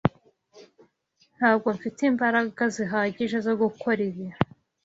Ntabwo mfite imbaraga zihagije zo gukora ibi.